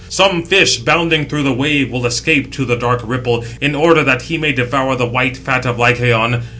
Some fish, bounding through the wave, will escape to the dark ripple, 675 in order that he may devour the white fat of Lycaon.